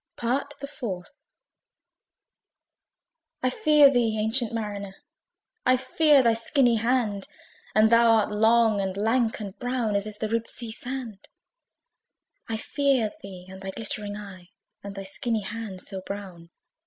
PART THE FOURTH. "I fear thee, ancient Mariner! I fear thy skinny hand! And thou art long, and lank, and brown, As is the ribbed sea sand. "I fear thee and thy glittering eye, And thy skinny hand, so brown."